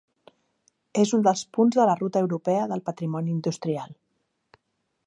És un dels punts de la Ruta Europea del Patrimoni Industrial.